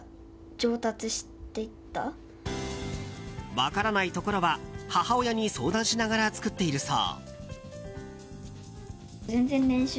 分からないところは、母親に相談しながら作っているそう。